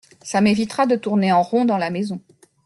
Ça m’évitera de tourner en rond dans la maison.